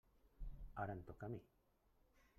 Ara em toca a mi.